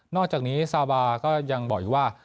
อกจากนี้ซาบาก็ยังบอกอีกว่า